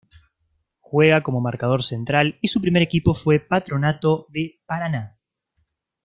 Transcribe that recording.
Juega como marcador central y su primer equipo fue Patronato de Paraná.